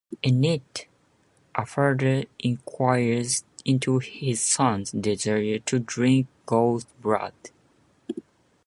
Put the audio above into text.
In it, a father inquires into his son's desire to drink goat's blood.